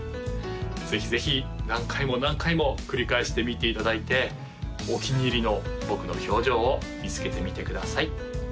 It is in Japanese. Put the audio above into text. ぜひぜひ何回も何回も繰り返して見ていただいてお気に入りの僕の表情を見つけてみてください